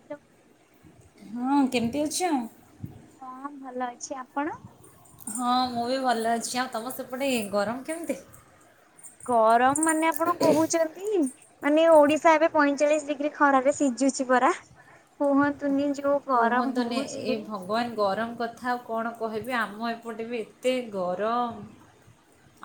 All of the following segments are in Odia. [unintelligible] ହଁ କେମିତି ଅଛ? ହଁ ଭଲ ଅଛି। ଆପଣ? ହଁ ମୁଁ ବି ଭଲ ଅଛି। ଆଉ ତମ ସେପଟେ ଗରମ କେମିତି? ଗରମ ମାନେ ଆପଣ କହୁଚନ୍ତି। ମାନେ ଓଡିଶା ଏବେ ପଇଁଚାଳିଶ ଡିଗ୍ରୀ ଖରାରେ ସିଝୁଚି ପରା। କୁହନ୍ତୁନି ଯୋଉ ଗରମ କୁହନ୍ତୁନି ହଉଛି ଏ ଭଗବାନ ଗରମ କଥା ଆଉ କଣ କହିବି ଆମ ଏପଟେ ବି ଏତେ ଗରମ।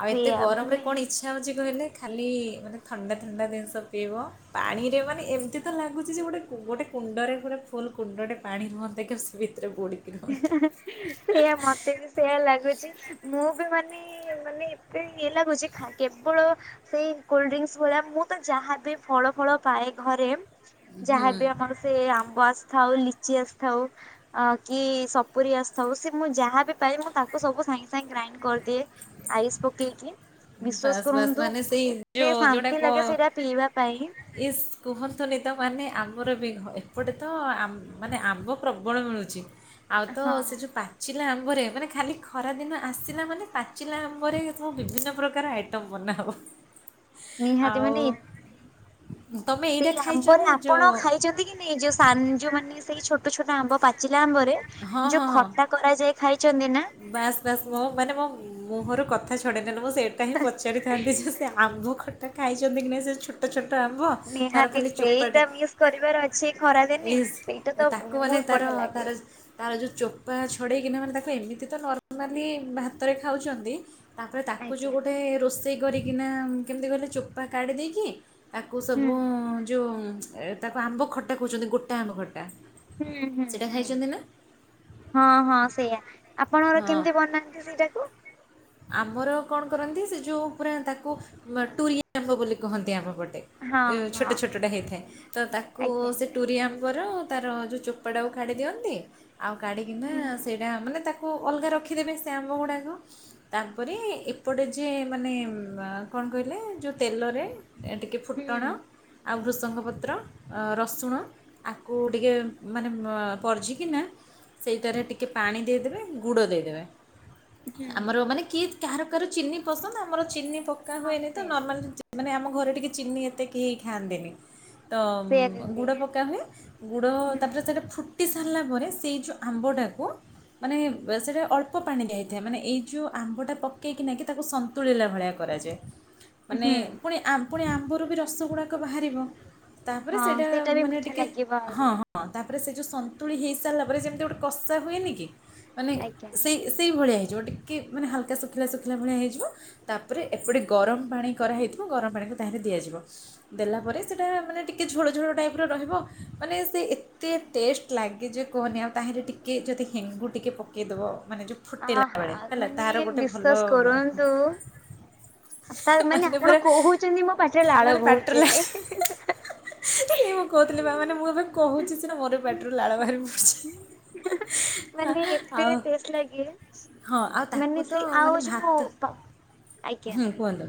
ଆଉ ଏତେ ସେଇଆ ଗରମରେ ମାନେ କଣ ଇଛ ଇଚଛା ହଉଚି କହିଲେ ଖାଲି ମାନେ ଥଣ୍ଡା ଥଣ୍ଡା ଜିନିଷ ପିଇବ, ପାଣିରେ ମାନେ ଏମିତି ତ ଲାଗୁଚି ଯେ ଗୋଟେ ଗୋଟେ କୁଣ୍ଡରେ ଗୋଟେ ଫୁଲ୍ କୁଣ୍ଡଟେ ପାଣି ରୁହନ୍ତା କି ସେ ଭିତରେ ବୁଡ଼ିିକି ସେଇୟା ମତେ ବି ସେଇୟା ଲାଗୁଚି। ମୁଁ ବି ମାନେ ମାନେ ଏତେ ଇଏ ଲାଗୁଚି ଖା କେବଳ ସେଇ କୋଲଡ୍ରିଙ୍କସ ଭଳିଆ ମୁଁ ତ ଯାହାବି ଫଳ ଫଳ ପାଏ ଘରେ ହୁଁ ଯାହାବି ଆମର ସେ ଆମ୍ବ ଆସିଥାଉ, ଲିଚି ଆସିଥାଉ ଅ କି ସପୁରି ଆସିଥାଉ, ସେ ମୁଁ ଯାହା ବିି ପାଇବି ମୁଁ ତାକୁ ସବୁ ସାଙ୍ଗେ ସାଙ୍ଗେ ଗ୍ରାଇଣ୍ଡ କରିଦିଏ। ଆଇସ୍ ପକେଇ କି ବିଶ୍ଵାସ ବାସ୍ ବାସ୍ କରନ୍ତୁ ମାନେ ସେଇ ଏତେ ଯୋଉ ଯୋଉଟା ଶାନ୍ତି ଲାଗେ କ ସେଇଟା ପିଇବା ପାଇଁ ଇସ୍ କୁହନ୍ତୁନି ତ ମାନେ ଆମର ବି ଏପଟେ ତ ଆ ମାନେ ଆମ୍ବ ପ୍ରବଳ ମିଳୁ ଚି। ଆଉ ତ ହଁ ସେ ଯୋଉ ପା ଚିଲା ଆମ୍ବରେ ମାନେ ଖାଲି ଖରାଦିନ ଆସିଲା ମାନେ ପାଚିଲା ଆମ୍ବରେ ମୁଁ ବିଭିନ୍ନ ପ୍ରକାର ଆଇଟମ୍ ବନା ହେବ। ନିହାତି ମାନେ ଏ ତମେ ଏଇଟା ସେଇ ଖାଇଛ ଆମ୍ବରେ ନା ଯେଉଁ ଆପଣ ଖାଇଚନ୍ତି କି ନାଇଁ ଯୋଉ ସାନ ଯୋଉ ମାନେ ସେଇ ଛୋଟ ଛୋଟ ଆମ୍ବ ପାଚିଲା ଆମ୍ବ ରେ ହଁ ଯୋଉ ହଁ ହଁ ଖଟା କରାଯାଏ ଖାଇଚନ୍ତି ନା? ବାସ୍ ବାସ୍ ମୋ ମାନେ ମୋ ମୁହଁରୁ କଥା କଥା ଛଡ଼େଇନେଲ। ମୁଁ ସେଇଟା ହିଁ ପଚାରିଥାନ୍ତି ଯେ ସେ ଆମ୍ବ ଖଟା ଖାଇଚନ୍ତି କି ନାଇ ସେ ଛୋଟ ଛୋଟ ଆମ୍ବ ଅ ତାର ନିହାତି ଖାଲି ଚୋପାଟା। ସେଇଟା ମିସ୍ କରିବାର ଅଛି ଖରାଦିନେ ଇସ ସେଇଟା ତ ତାକୁ ମାନେ ବହୁତ ତାର ବଢିଆ ଲାଗେ ତାର ତାର ଯଉଁ ଚୋପା ଛଡ଼େଇକିନା ମାନେ ତାକୁ ଏମିତି ତ ନର୍ମାଲି ଭାତରେ ଖାଉଚନ୍ତି। ତାପରେ ତାକୁ ଯେଉଁ ଆଜ୍ଞା ଗୋଟେ ରୋଷେଇ କରିକିନା କେମିତି କହିଲେ ଚୋପା କାଢ଼ି ଦେଇକି ତାକୁ ହୁଁ ସବୁ ଯୋଉ ତାକୁ ଆମ୍ବ ଖଟା କହୁଚନ୍ତି ଗୋଟା ଆମ୍ବ ଖଟା। ହୁଁ ହୁଁ ସେଇଟା ହୁଁ। ଖାଇଛନ୍ତି ନା ହଁ ହଁ ସେଇଆ। ଆପଣଙ୍କ ଘରେ ହଁ କେମିତି ବନାନ୍ତି ସେଇଟାକୁ? ଆମର କଣ କରନ୍ତି ସେଯେଉଁ ପରା ତାକୁ ଟୁରି ଆମ୍ବ ବୋଲି କୁହନ୍ତି ଆମ ପଟେ। ହଁ ଏ ଛୋଟ ହଁ ଛୋଟଟା ହେଇଥାଏ ତତାକୁ ଆଜ୍ଞା। ସେ ଟୁରି ଆମ୍ୱର ତାର ଯୋଉ ଚୋପାଟାକୁ କାଢି ଦିଅନ୍ତି ଆଉ କାଢିକିନା ହୁଁ ସେ ସେଟା ମାନେ ତାକୁ ଅଲଗା ରଖିଦେବେ ସେଆମ୍ବ ଗୁଡ଼ାକ ତାପରେ ଏପଟେ ଯିଏ ମାନେ କଣ କହିଲେ ଯଉଁ ତେଲରେ ଟିକେ ହୁଁ ଫୁଟୁଣ ଆଉ ଭୃଷଙ୍ଗ ପତ୍ର ରସୁଣ ଆକୁ ଟିକେ ମାନେ ଉମ୍ ପରଜି କିିନା ସେଇଟାରେ ଟିକେ ପାଣି ଦେଇଦେବେ ଗୁଡ଼ ଦେଇଦେବେ ହୁଁ ଆମର ମାନେ କିଏ କାହାର କାହାର ଚିନି ପସନ୍ଦ ଆମର ଚିନି ପକା ହଁ ସେ ହୁଏନିତ ନର୍ମାଲି ମାନେ ଆମ ଘରେ ଟିକେ ଚିନି ଏତେ କେହି ଖାଆନ୍ତିନି। ତ ସେୟା ଦିଦି ଗୁଡ଼ ପକାହୁଏ ଗୁଡ଼ ହୁଁ ତାପରେ ସେଟା ଫୁ ଟି ସାରିଲା ପରେ ସେଇ ଯେଉଁ ଆମ୍ବଟାକୁ ମାନେ ସେଇଟା ଅଳ୍ପ ପାଣି ଦିଆହେଇଥାଏ ମାନେ ଏଇ ଯେଉ ଆମ୍ବଟା ପକେଇକିନାଇକି ତାକୁ ସନ୍ତୁଳିଲା ଭଳିଆ କରାଯାଏ ମାନେ ହୁଁ ପୁଣି ଆମ୍ ପୁଣି ଆମ୍ବରୁବି ରସ ଗୁଡ଼ାକ ବାହାରିବ ତାପରେ ହଁ ସେଇଟା ବି ମାନେ ମିଠା ଟିକେ ଲାଗିବ ହଁ। ଆହୁରି ହଁ ତାପରେ ସେଯୋଉ ସନ୍ତୁଳି ହେଇ ସାରିଲା ପରେ ଯେମିତି ଗୋଟେ କଷା ହୁଏନିକି ମାନେ ଆଜ୍ଞା ସେଇ ସେଇ ଭଳିଆ ହେଇଯିବ ଟିକେ ମାନେ ହାଲ୍କା ଶୁଖିଲା ଶୁଖିଲା ଭଳିଆ ହେଇଯିବ ତାପରେ ଏପଟେ ଗରମ ପାଣି କରାହେଇଥିବ ଗରମ ପାଣିକୁ ତାହରେ ଦିଆଯିବ ଦେଲା ପରେ ସେଇଟା ମାନେ ଟିକେ ଝୋଳ ଝୋଳ ଟାଇପ୍ର ରହିବ ମାନେସେ ଏ ଏତେ ଟେଷ୍ଟ ଲାଗେଯେ କୁହନି ଆଉ ତାହେଲେ ଟିକେ ଯଦି ହେଙ୍ଗୁ ଟିକେ ପକେଇଦବ ମାନେ ଯେଉଁ ଆ ଫୁଟିଲା ହା ବେଳେ ହେଲା ତାହାର ମାନେ ଗୋଟେ ବିଶ୍ୱାସ ଭଲ କରନ୍ତୁ ତା ମାନେ ଆପଣ କହୁଚନ୍ତି ମୋ ପାଟିରେ ଲାଳ ବୋହୁଚି ଏବେ ସେ ମୁଁ କହୁଥିଲିବା ମାନେ ମୁଁଏବେ କହୁଚି ସିନା ମୋରବି ପାଟିରୁ ଲାଳ ବାହାରି ମାନେ ଏତେ ଆଉ ଟେଷ୍ଟ ଲାଗେ ହଁ ଆଉ ତାକୁ ମାନେସେ ତ ଆଉ ମାନେ ଯୋଉ ଭାତ ତ ଆଜ୍ଞା। ହୁଁ କୁହନ୍ତୁ?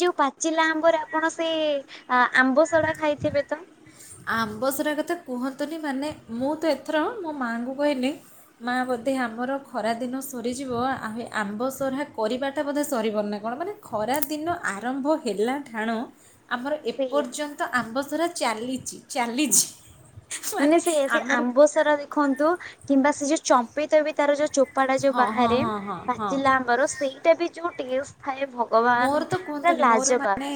ଯୋଉ ପାଚିଲା ଆମ୍ବରେ ଆପଣସେ ଆମ୍ବଶଡ଼ା ଖାଇଥିବେତ? ଆମ୍ବସରା କଥା କୁହନ୍ତୁନି ମାନେ ମୁଁତ ଏଥର ମୋ ମାଆଙ୍କୁ କହିଲି ମା ବୋଧେ ଆମର ଖରାଦିନ ସରିଯିବ ଆଉ ଆମ୍ବସରା କରିବାଟା ବୋଧେ ସରିିବନିନାକଣ ମାନେ ଖରା ଦିନ ଆରମ୍ଭ ହେଲାଠାଣୁ ଆମର ଏ ସେଇଆ। ପର୍ଯ୍ୟନ୍ତ ଆମ୍ବସାରା ଚାଲିଚି ଚାଲିଚି ମାନେ ସେଇଆ ସେଆମ୍ବୁ ସାରା ଦେଖନ୍ତୁ କିମ୍ବା ସେଯୋଉ ଚମ୍ପିତବି ତାର ଯୋଉ ଚୋ ପାଟା ଯୋଉ ହଁ ହଁ ବାହାରେ ହଁ ହଁ ହଁ ପାଚିଲା ଆମ୍ବର ସେଇଟାବି ଯୋଉ ଟେଷ୍ଟେ ଥାଏ ଭ ମୋରତ କୁହନ୍ତୁନି ମୋର ମାନେ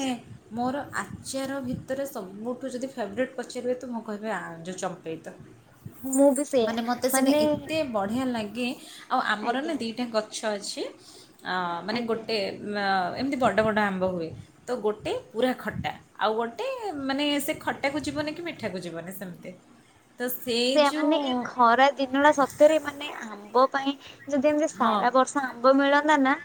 ମୋର ଆଚାର ଭିତରେ ସବୁଠୁ ଯଦି ଫେବରେଟ୍ ପଚାରିବେତ ମୁଁ କହିବି ଆ ଯଉଁ ଚମ୍ପେଇତ। ମୁଁ ବି ସେଇଆ ମାନେ ମତେ ସେଟା ମାନେ ଏତେ ବଢ଼ିଆ ଲାଗେ ଆଉ ଆମରନା ଆଜ୍ଞା ଦିଟା ଗଛଅଛି ଅଁ ମାନେ ଆଜ୍ଞା। ଗୋଟେ ଵ ଏମିତି ବଡ଼ ବଡ଼ ଆମ୍ବ ହୁଏ ତଗୋଟେ ପୁରା ଖଟା ଆଉ ଗୋଟେ ମାନେ ସେଖଟାକୁ ଯିବନିକି ମିଠାକୁ ଯିବନି ସେମିତି ତ ସେ ସେୟା ଯେଉଁ ମାନେ ଏଇ ଖରା ଦିନଟା ସ ତରେ ମାନେ ଆମ୍ବ ପାଇଁ ଯଦି ଏମିତି ହଁ ସାରା ବର୍ଷ ଆମ୍ବ ମିଳନ୍ତାନା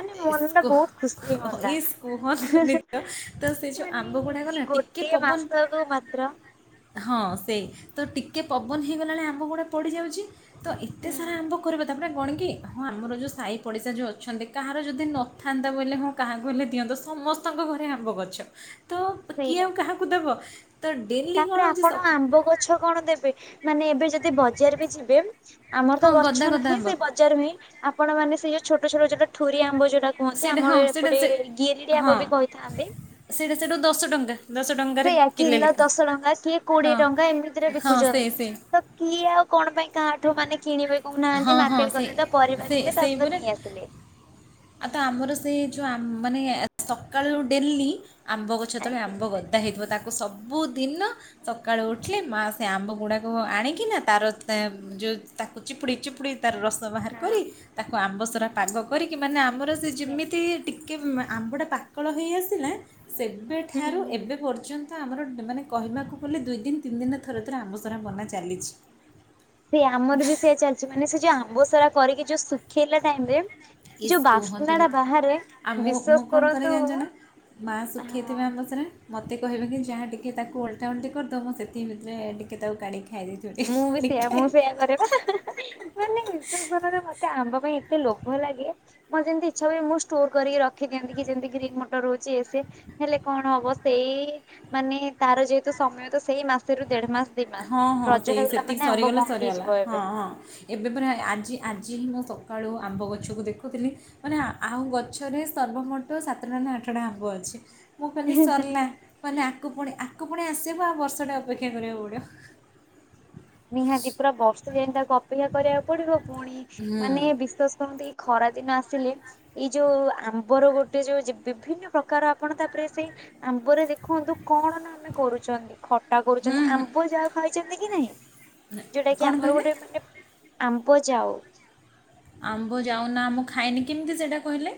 ମାନେ ମନଟା ବହୁତ୍ ଖୁସିଇ ହୁଅନ୍ତା ଇସ୍ କୁହନ୍ତୁନି ତ ତ ସେ ଯେଉଁ ମାନେ ଆମ୍ବ ଗୁଡ଼ାକ ଏଇ ନା ଗୋଟେ ଟିକେ ଗୋଟେ ପବନ ମାସକୁ ମାତ୍ର ହଁ ସେଏ ତଟିକେ ପବନ ହେଇଗଲାଣି ଆମ୍ବ ଗୁଡ଼ା ପଡ଼ିଯାଉଚି ତଏତେ ସାରା ହୁଁ ଆମ୍ବ କରିବା ତାପରେ ଗଣି କି ହଁ ଆମର ଯେଉଁ ସାହି ପଡ଼ିଶା ଯୋଉଁ ଅଛନ୍ତି। କାହାର ଯଦି ନଥାନ୍ତା ବୋଲେ ହଁ କାହାକୁ ହେଲେ ଦିଅନ୍ତ ସମସ୍ତଙ୍କ ଘରେ ଆମ୍ବ ଗଛ। ତ କିଏ ସେଇଆ ଆଉ କାହାକୁ ଦେବ ତ ଡେଲି ତାପରେ କଣ ହଉଛି ଆପଣ ସ ଆମ୍ବ ଗଛ କଣ ଦେବେ ମାନେ ଏବେ ଯଦି ବଜାର ବି ଯିବେ ଆମର ତ ହଁ ଗଦା ଗଛ ଗଦା ନାହିଁ ଆମ୍ବ ସେ ବଜା ଯାର ନାହିଁ ଆପଣ ମାନେ ସେଇ ଛୋଟ ଛୋଟ ଠୁରିଆ ଆମ୍ବ ଟା କୁହନ୍ତି ସେଇଟା ହଁ ଆମର ସେଇଟା ଏପଟେ ଗିରିଡି ଆମ୍ବ ବି କହିଥାଆନ୍ତି। ସେଇଠା ସେଇଠୁ ଦଶ ଟଙ୍କା। ଦଶ ଟଙ୍କାରେ ସେଇୟା କିଲେ କିଲୋ ଲେଖା ଦଶ ଟଙ୍କା କିଏ କୋଡିଏ ହଁ ଟଙ୍କା ଏମିତିରେ ହଁ ସେଇ ବିକୁଛନ୍ତି ସେଇ ତ? କିଏ ଆଉ କଣ ପାଇଁ କାହାଠୁ ମାନେ କିଣିବେ? ହଁ କହୁନାହାନ୍ତି ହଁ ମାର୍କେଟ ସେଇ ଗଲେ ତ ପରିବା ସେଇ ବିକିଲେ ତା ସେଇ ସହିତ ପରେ ନେଇଆସିଲେ। ଆଉ ତ ଆମର ସେ ଯୋଉ ମାନେ ସକାଳୁ ଡେଲି ଆମ୍ବ ଗଛ ତଳେ ଆଜ୍ଞା ଆମ୍ବ ଗଛ। ତା ହେଇଥିବ ତାକୁ ସବୁଦିନ। ସକାଳୁ ଉଠିଲେ ମା ସେ ଆମ୍ବ ଗୁଡାକୁ ଆଣିକିନା ତାର ଯୋଉ ତାକୁ ଚିପୁଡି ଚିପୁଡ଼ି ତାର ରସ ବାହାର କରି ହଁ ତାକୁ ଆମ୍ବ ସରା ପାଗ କରିକି ମାନେ ଆମର ସେ ଯେମିତି କି ଆମ୍ବଟା ପାକଳ ହୋଇ ଆସିଲା ହୁଁ ସେବେଠାରୁ ହୁଁ ଏବେ ପର୍ଯ୍ୟନ୍ତ। ତ ଆମର ମାନେ କହିବାକୁ ଗଲେ ଦୁଇ ଦିନ ତିନି ଦିନ ଥରେ ଥରେ ଆମ ସରା ମନା ଚାଲିଛି। ସେ ଆମର ବି ସେଇଆ ଚାଲିଛି ମାନେ ସେ ଯୋଉ ଆମ୍ବ ସାରା କରିକି ଯୋଉ ସୁ ଖେଇଲା ଟାଇମରେ ଇସ୍ ଯୋଉ କୁହନ୍ତୁନି ବାସ୍ନାଟା ବାହାରେ ବିଶ୍ଵାସ କରନ୍ତୁ। ମା ଶୁଖେଇଥିବେ ଆମ ସରା। ମୋତେ କହେ କି ଯାହା ଟିକେ ତାକୁ ଓଲଟା ଓଲଟି କରିଦେବି ମୁଁ ସେଥି ଭିତରେ ଟିକେ ତାକୁ କାଢିକି ଖାଇ ଦେବି। ମୁଁ ବି ସେଇଆ ମୁଁ ସେଇୟା କରେ ପା। ମାନେ ନିଶନରେ ମତେ ଆମ୍ବ ପାଇଁ ଏତେ ଲୋଭ ଲାଗେ। ମୋ ଯେମିତି ଇଛା ହୁଏ ମୁଁ ଷ୍ଟୋର କରିକି ରଖିଦିଅନ୍ତି କି ଯେମିତି ଗ୍ରୀନ୍ ମଟର ରହୁଛି ଏ ହେଲେ କଣ ହବ ସେଇ ମାନେ ତାର ଯେହେତୁ ସମୟ ତ ସେଇ ମାସରୁ ଦେଢ ମାସ ଦି ମାସ। ହଁ ହଁ ରଜ ସେଇ ହେଇଗଲା ସେତିକି ମାନେ ଆମ୍ବ ସରିଗଲେ ବନ୍ଦ ସରିଗଲା ହେଇଯିବ ହଁ ଏବେ। ହଁ। ଏବେ ପରା ଆଜି ଆଜି ହିଁ ମୁଁ ସକାଳୁ ଆମ୍ବ ଗଛକୁ ଦେଖୁଥିଲି। ମାନେ ଆଉ ଗଛରେ ସର୍ବମୋଟ ସାତଟା ନା ଆଠଟା ଆମ୍ବ ଅଛି। ମୁଁ ଖାଲି ସରିଲା ମାନେ ଆଗକୁ ପୁଣି ଆଗକୁ ପୁଣି ଆସିବ ଆଉ ବର୍ଷଟା ଅପେକ୍ଷା କରିବାକୁ ପଡ଼ିବ। ନିହାତି ପୁରା ବର୍ଷେ ଯାଇତାକୁ ଅପେକ୍ଷା କରିବାକୁ ପଡିବ ପୁଣି ହୁଁ ମାନେ ବିଶ୍ୱାସ। ଆପଣ ଏଇ ଖରାଦିନ ଆସିଲେ ଏଇ ଯୋଉ ଆମ୍ବର ଗୋଟେ ଯୋଉ ବିଭିନ୍ନ ପ୍ରକାର କାର ଆପଣ ତାପରେ ସେଇ ଆମ୍ବରେ ଦେଖନ୍ତୁ କଣ ନା ଆମେ କରୁଛନ୍ତି? ଖଟା ହୁଁ କରୁଛନ୍ତି ହୁଁ ଆମ୍ବ ଯାଉ ଖାଇଛନ୍ତି କି ନାହିଁ? ଯୋଉଟା କି କ'ଣ ଆମର କହିଲେ ଗୋଟେ ମାନେ ଆମ୍ବ ଯାଉ? ଆମ୍ବ ଯାଉ ନା ମୁଁ ଖାଇନି କେମିତି ସେଇଟା କହିଲେ?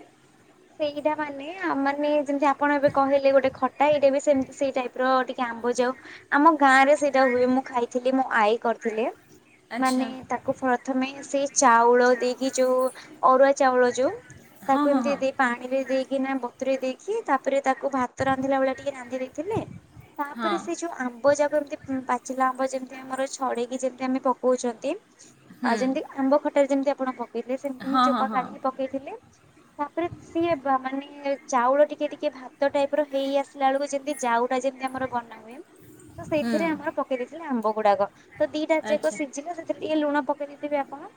ସେଇଟା ମାନେ ମାନେ ଯେମିତି ଆପଣ ଏବେ କହିଲେ ଗୋଟେ ଖଟା ଏଇଟା ବି ସେମିତି ସେଇ ଟାଇପର ଟିକେ ଆମ୍ବ ଯାଉ ମାନେ ଆମ ଗାଁରେ ସେଇଟା ହୁଏ ମୁଁ ଖାଇଥିଲି ମୋ ଆଈ କରିଥିଲେ। ମାନେ ଆଚ୍ଛା ତାକୁ ପ୍ରଥମେ ସେଇ ଚାଉଳ ଦେଇକି ଯୋଉ ଅରୁଆ ଚାଉଳ ଯୋଉ ହଁ ତାକୁ ହଁ ଏମିତି ହଁ ଦେଇ ପାଣିରେ ଦେଇକି ନା ବତୁରେଇ ଦେଇକି ତାପରେ ତାକୁ ଭାତ ରାନ୍ଧିଲା ଭଳିଆ ଟିକେ ରାନ୍ଧି ଦେଇଥିଲେ ହଁ ତାପରେ ସେ ଯୋଉ ଆମ୍ ଆମ୍ବ ଯାକ ଏମିତି ପାଚିଲା ଆମ୍ବ ଯେମିତି ଆମର ଛଡେଇକି ଯେମିତି ଆମେ ପକଉଛନ୍ତି ଆଉ ହୁଁ ଯେମିତି। ଆମ୍ବ ଖଟାରେ ଯେମିତି ଆପଣ ପକେଇଥିଲେ ସେମିତି ହିଁ ହଁ ହଁ ଚୋପା ହଁ କାଢିିକି ପକେଇଥିଲେ ତାପରେ ସିଏ ବା ମାନେ ଚାଉଳ ଟିକେ ଟିକେ ଭାତ ଟାଇପ ର ହେଇ ଆସିଲା ବେଳକୁ ଯେମି ତି ଯାଉଟା ଯେମିତି ଆମର ବନାହୁଏ ତ ହୁଁ ସେଇଥିରେ ଆମର ପକେଇ ଦେଇଥିଲେ ଆମ୍ବ ଗୁଡାକ। ତ ଦିଟା ଯାକ ଆଚ୍ଛା ସିଝିଲା ସେଥିରେ ଟିକେ ଲୁଣ ପକେଇ ଦେଇଥିବେ ଆପଣ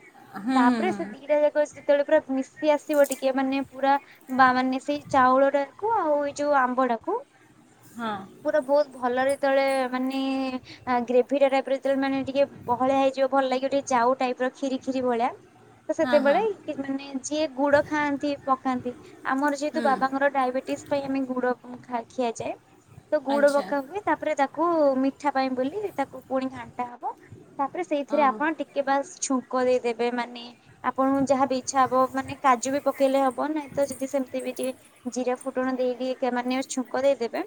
ହୁଁ ହୁଁ ତାପରେ ହୁଁ ସେ ଦିଟା ଯାକ। କେତେବେଳେ ପୁରା ମିଶି ଆସିବ, ଟିକେ ମାନେ ପୁରା ବା ମାନେ ସେଇ ଚାଉଳ ଟାକୁ ଆଉ ଏଇ ଯୋଉ ଆମ୍ବଟାକୁ? ହଁ। ପୁରା ବହୁତ ଭଲରେ ତଳେ ମାନେ ଗ୍ରେଭି ଟା ଟାଇପ ର ମାନେ, ଯେତେବେଳେ ମେ ଟିକେ ବହଳିଆ ହେଇଯିବ, ଭଲ ଲାଗିବ, ଟିକେ ଯାଉ ଟାଇପ ର। ଖିରି ଖିରି ଭଳିଆ ତ, ହଁ ହଁ ସେତେବେଳେ ମାନେ ଯିଏ ଗୁଡ ଖାଆନ୍ତି ପକାନ୍ତି। ଆମର ଯେହେତୁ ହୁଁ ବାବାଙ୍କର ଡାଇବେଟିସ୍ ପାଇଁ ଆମେ ଗୁଡ଼ ଖିଆଯାଏ। ତ ଗୁଡ ଆଚ୍ଛା ପକା ହୁଏ, ତାପରେ ତାକୁ ମିଠା ପାଇଁ ବୋଲି, ତାକୁ ପୁଣି ଖାଆ ହବ। ତାପରେ ସେଇଥିରେ ଓହୋ ଆପଣ ଟିକେ ବାସ୍ ଛୁଙ୍କ ଦେଇଦେବେ ମାନେ ଆପଣଙ୍କୁ ଯାହା ବି ଇଚ୍ଛା ହବ, ମାନେ କାଜୁ ବି ପକେଇଲେ ହବ। [inaudible] ଯଦି ସେମିତି ବି ଟିକେ ଜିରା ଫୁଟଣ ଦେଇ ଦେଇକା ଛୁଙ୍କ ଦେଇଦେବେ।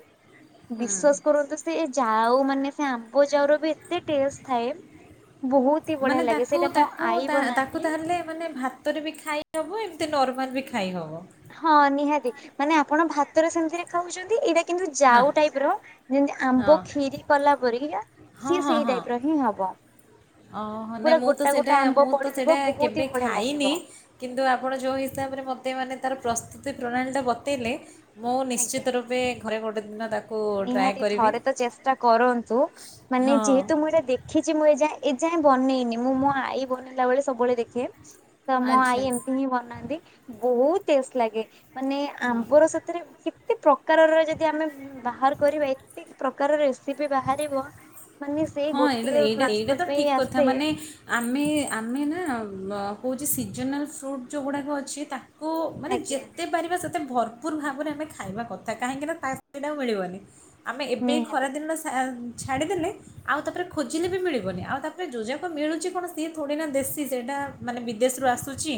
ହୁଁ ବିଶ୍ୱାସ କରନ୍ତୁ ସେ ଯାଉ, ମାନେ ସେ ଆମ୍ବଯାଉର ବି ଏତେ ଟେଷ୍ଟ ଥାଏ ବହୁତ। ହି ବଢିଆ ମାନେ ଲାଗେ ତାକୁ ସେଇଟା ମୋ ତାକୁ ଆଈ ତା ତାକୁ ବନାନ୍ତି। ତାହେଲେ ମାନେ ଭାତ ଭାତରେ ବି ଖାଇ ଦବୁ, ଏମିତି ନର୍ମାଲ ବି ଖାଇ ହେବ। ହଁ, ନିହାତି ମାନେ ଆପଣ ଭାତରେ ସେମିତିରେ ଖାଉଛନ୍ତି, ଏଇଟା କିନ୍ତୁ ହଁ ଯାଉ ଟାଇପ ର, ଯେମିତି ହଁ ଆମ୍ବ ଖିରି କଲାପରି। ହଁ ସିଏ ହଁ ସେଇ ହଁ ଟାଇପ ର ହିଁ ହବ। ଓହୋ, ନାଇଁ! ପୁରା ମୁଁ ତ ଗୋଟା ସେଇଟା ଗୋଟା ଆମ୍ବ ମୁଁ ତ ସେଇଟା ପଡିଥିବ ବହୁତ କେବେ ହି ବଢିଆ ଖାଇନି। ଲାଗିବ କିନ୍ତୁ ଆପଣ ଯୋଉ ହିସାବରେ ମତେ ମାନେ ତାର ପ୍ରସ୍ତୁତି ପ୍ରଣାଳୀ ଟା ବତେଇଲେ। ମୁଁ ଆଜ୍ଞା। ନିଶ୍ଚିତରୂପେ ଘରେ ଗୋଟେଦିନ। [inaudible] ନିହାତି ଥରେତ ଚେଷ୍ଟାକରନ୍ତୁ, ମାନେ ହଁ ଯେହେତୁ ମୁଁ ଏଇଟା ଦେ ଦେଖିଛି, ମୁଁ ଏଯାଏଁ ଏଯାଏଁ ବନେଇନି। ମୁଁ ମୋ ଆଈ ବନେଇଲା ବେଳେ ସବୁବେଳେ ଦେଖେ। ତ ମୋ ଆଈ ଆଚ୍ଛା ଏମିତିହିଁ ବନାନ୍ତି, ବହୁତଟେଷ୍ଟ ଲାଗେ। ମାନେ, ଆମ୍ବର ସେଥିରେ କେତେପ୍ରକାରର ଯଦି ଆମେ ବାହାର କରିବା ଏତେ ପ୍ରକାରରେ। [unintelligible] ବି ବାହାରିବ, ମାନେ ସେ ହଁ ଏଇଟା ଏଇଟା ଏଇଟା ଗୋଟିଏମାସ ତ ପାଇଁ ଠିକ୍ କଥା ଆସେ। ମାନେ ଆମେ ଆମେନା କଉଛି ସିଜନାଲ ଫ୍ରୁଟ ଯେଉଁଗୁଡ଼ାକ ଅଛି, ତା କୁ ମାନେ ଆଜ୍ଞା ଯେତେ ପାରିବା ସେତେ ଭର ପୁରଭାବରେ ଆମେ ଖାଇବାକଥା, କାହିଁକି ନା ତା [unintelligible] ମିଳିବନି। ଆମେ ଏବେ ନିହାତି ଖରାଦିନ ଛାଡ଼ିଦେଲେ। ଆଉ ତାପରେ ଖୋଜିଲେ ବି ମିଳିବନି। ଆଉ ତାପରେ ଯୋଉଯାକ ମିଳୁଛି କଣ ସିଏ ଥୋଡ଼ି ନା ଦେଶୀ? ସେଇଟା ମାନେ ବିଦେଶରୁ ଆସୁଛି।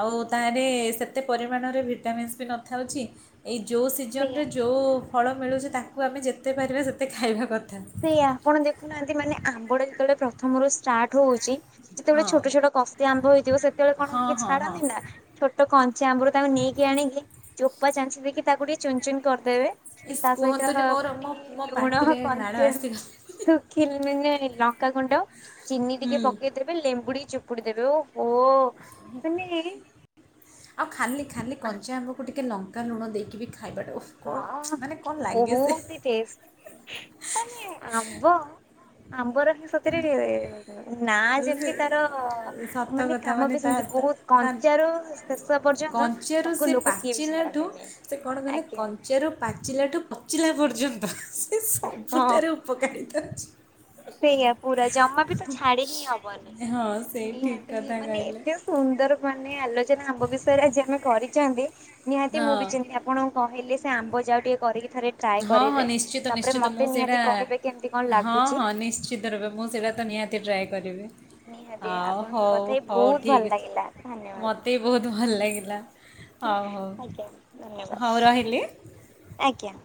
ଆଉ ତାରେ ସେତେ ପରିମାଣରେ ଭିଟାମିନ୍ସ ବି ନଥାଉଛି। ଏଇ ଯୋଉ ସେଇଆ। ସିଜନରେ ଯୋଉ ଫଳ ମିଳୁଛି, ତାକୁ ଆମେ ଯେତେପାରିବା ସେତେ ଖାଇବା କଥା। ତାକୁ ଆପଣ ଦେଖୁନାହାନ୍ତି, ମାନେ ଆମ୍ବଟା ଯେତେବେଳେ ପ୍ରଥମରୁ ଷ୍ଟାର୍ଟହଉଛି, ଯେତେବେଳେ ହଁ ଛୋଟଛୋଟ କଷି ଆମ୍ଭ ହେଇଥିବ ସେତେବେଳେ କଣ ହଁ କିଏ ହଁ ହଁ ଛାଡ଼ନି ନା? ଛୋଟ କଞ୍ଚାଆମ୍ବରୁ ତାଙ୍କୁ ନେଇକି ଆଣିକି, ଚୋପାଚାଞ୍ଚିକି ତାକୁଟିକେ ଚୁନଚୁନ କରିଦେବେ। ଇସ୍ ତା ସହିତ କୁହନ୍ତୁନି ମୋର ମୋ ମୋ [unintelligible] ଲୁଣ ପାଟିରେ ଲାଳ [unintelligible] [unintelligible] ଆସିଗଲା। ଲଙ୍କାଗୁଣ୍ଡ ହୁଁ। ଚିନିଟିକେ ପକେଇ ଦେବେ ଲେମ୍ବୁ ଟିକେ ଚିପୁଡି ଦେବେ ଓ ହୋ! [inaudible] ଆଉ ଖାଲି ଖାଲି କଞ୍ଚାଆମ୍ବକୁ ଟିକେ ଲଙ୍କାଲୁଣ ଦେଇକିବି ଖାଇବାଟା ଓହୋ! ହଁ, ବହୁତ ଟେଷ୍ଟ। ମାନେ ଆମ୍ବ ଆମ୍ବ ର ବି ସତରେ ନା, ସେ ଯେମିତି ତାର ସତ ମାନେ କଥା କାମ ବି ତା ସେମିତି ବହୁତ ତା କଞ୍ଚାରୁ ଶେଷ ପର୍ଯ୍ୟନ୍ତ କଞ୍ଚାରୁ ତାକୁ ସେ ଲୋକ କିଏ ବି ପାଚିଲାଠୁ ଛାଡ଼ନ୍ତିନି। ସେ କଣ କଲେ କଞ୍ଚାରୁ ପାଚିଲାଠୁ ପଚିଲା ପର୍ଯ୍ୟନ୍ତ ସେ ହଁ ସବୁଠାରୁ [unintelligible] ସେଇଆ ପୁରା ଜମାବି ତ ଛାଡି କିହିଁ ହବନି, ହଁ ସେଇ ଠିକ୍ ନିହାତି କଥା ମାନେ କହିଲେ ଏତେ ସୁନ୍ଦର ମାନେ ଆଲୋଚନା ଆମ୍ବ ବିଷୟରେ ହେଇଚି ଆମେ କରିଛନ୍ତି ନିହାତି ମୁଁ ବିି ହଁ। ଚିନ୍ତ ଆପଣଙ୍କୁ କହିଲି, ସେ ଆମ୍ବଯାଉ ଟିକେ କରିକିଥରେ ହଁ ହଁ ନିଶ୍ଚିତ ନିଶ୍ଚିତ ମୁଁ ସେଇଟା କହିବେ କେମିତି କଣ ହଁ ଲାଗୁଛି। ହଁ ନିଶ୍ଚ୍ ନିଶ୍ଚିତ ରୂପେ ମୁଁ ସେଟା ତ ନିହାତି ଟ୍ରାଏ କରିବି। ନିହାତି ଆଉ ଆପଣଙ୍କ ସହ ହଉ କଥା ହେଇ ହଉ, ବହୁତ ଭଲ ଠିକ୍ ଅଛ୍, ଲାଗିଲା ଧନ୍ୟବାଦ। ମତେ ବହୁତ ଭଲ ଲାଗିଲା। ହଉ ହଉ, ଆଜ୍ଞା ଧନ୍ୟବାଦ। ହଉ, ରହିଲି। ଆଜ୍ଞା।